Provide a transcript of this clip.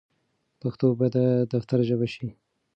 پښتو بايد د دفتر ژبه شي.